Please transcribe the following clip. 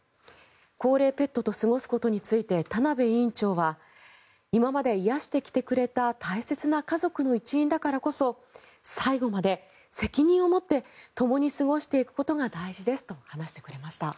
高齢ペットと過ごすことについて田部院長は今まで癒やしてきてくれた大切な家族の一員だからこそ最後まで責任を持ってともに過ごしていくことが大事ですと話してくれました。